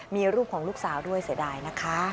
มีรูปของลูกสาวด้วยเสียดายนะคะ